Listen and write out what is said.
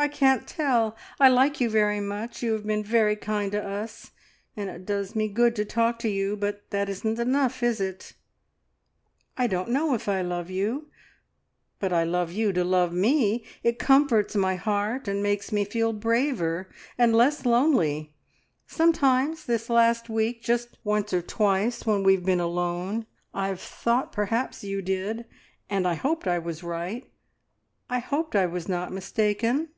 "I can't tell. I like you very much; you have been very kind to us, and it does me good to talk to you, but that isn't enough, is it? I don't know if I love you, but I love you to love me! It comforts my heart, and makes me feel braver and less lonely. Sometimes this last week just once or twice when we have been alone I have thought perhaps you did, and I hoped I was right. I hoped I was not mistaken."